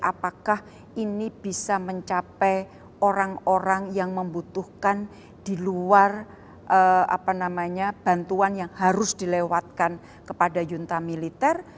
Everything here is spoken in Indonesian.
apakah ini bisa mencapai orang orang yang membutuhkan di luar bantuan yang harus dilewatkan kepada yunta militer